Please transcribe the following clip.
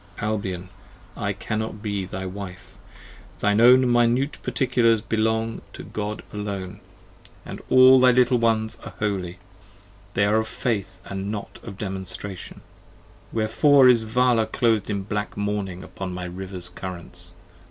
Albion, I cannot be thy Wife, thine own Minute Particulars 45 Belong to God alone, and all thy little ones are holy, They are of Faith & not of Demonstration: wherefore is Vala Cloth'd in black mourning upon my river's currents?